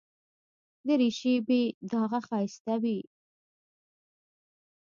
دریشي بې داغه ښایسته وي.